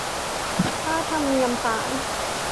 ค่าธรรมเนียมศาล